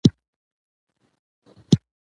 آمو سیند د افغان تاریخ په کتابونو کې ذکر شوی دی.